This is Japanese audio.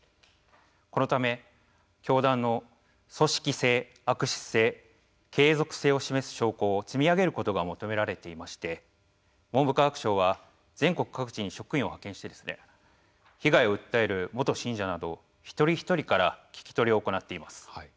このため、教団の組織性・悪質性・継続性を示す証拠を積み上げることが求められていまして文部科学省は全国各地に職員を派遣して被害を訴える元信者など一人一人から聞き取りを行っています。